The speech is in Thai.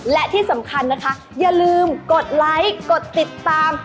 และที่สำคัญนะคะอย่าลืมกดไลค์กดติดตาม